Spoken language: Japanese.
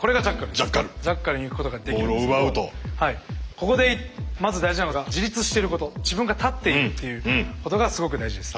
ここでまず大事なのが自分が立っているっていうことがすごく大事です。